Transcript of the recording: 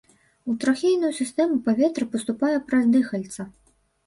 У трахейную сістэму паветра паступае праз дыхальца.